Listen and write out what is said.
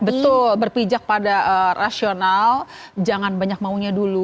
betul berpijak pada rasional jangan banyak maunya dulu